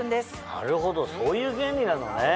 なるほどそういう原理なのね。